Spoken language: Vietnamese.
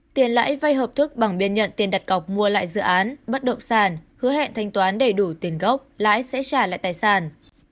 tiền lãi vay hợp thức bằng biên nhận tiền đặt cọc mua lại dự án bất động sản hứa hẹn thanh toán đầy đủ tiền gốc lãi sẽ trả lại tài sản